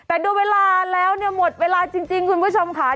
แต่ดูเวลาแล้วเนี่ยหมดเวลาจริงคุณผู้ชมค่ะ